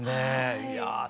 いや。